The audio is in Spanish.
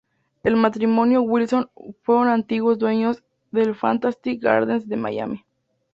El matrimonio Wilson fueron antiguos dueños del "Fantastic Gardens de Miami".